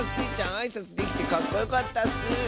あいさつできてかっこよかったッス！